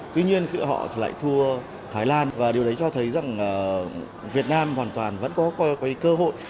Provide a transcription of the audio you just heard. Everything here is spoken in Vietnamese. tuy nhiên khi họ lại thua thái lan và điều đấy cho thấy rằng việt nam hoàn toàn vẫn có cơ hội